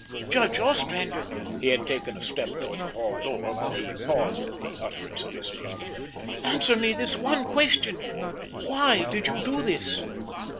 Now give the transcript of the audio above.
Judge Ostrander" He had taken a step towards the hall door; but he paused at this utterance of his name "answer me this one question. Why did you do this?